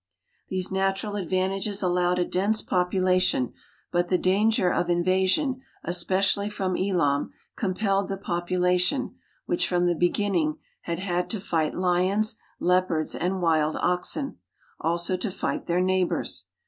These natural advantages allowed a dense population, but the danger of invasion, especially from Elam, compelled the population, which from the beginning had had to fight lions, leopards, and wild oxen, also to fight their neighbors.